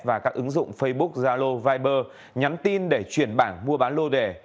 và các ứng dụng facebook zalo viber nhắn tin để chuyển bảng mua bán lô đề